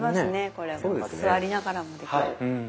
これ座りながらもできる。